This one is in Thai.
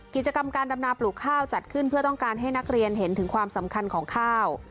กิจกรรมการดำนาปลูกข้าวจัดขึ้นเพื่อต้องการให้นักเรียนเห็นถึงความสำคัญของข้าว